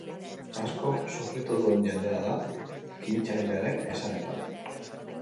Asko sufritu duen jendea da, ekintzailearen esanetan.